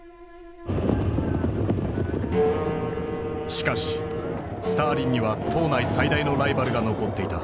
しかしスターリンには党内最大のライバルが残っていた。